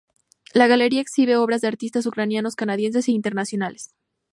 La galería exhibe obras de artistas ucranianos canadienses e internacionales.